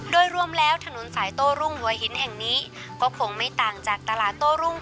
โดยรวมแล้วถนนสายโต้รุ่งหัวหินแห่งนี้ก็คงไม่ต่างจากตลาดโต้รุ่ง